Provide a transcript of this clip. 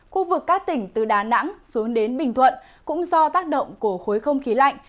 khu vực các tỉnh từ đà nẵng xuống đến bình thuận cũng do tác động của khối không khí lạnh